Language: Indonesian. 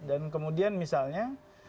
dan kemudian misalnya